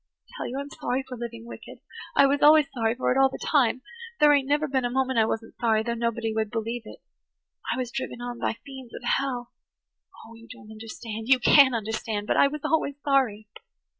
I tell you I'm sorry for living wicked–I was always sorry for it all the time. There ain't never been a moment I wasn't sorry, though nobody would believe it. I was driven on by fiends of hell. Oh, you don't understand–you can't understand–but I was always sorry!"